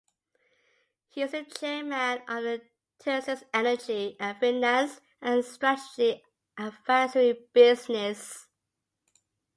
He is the Chairman of TersusEnergy a finance and strategic advisory business.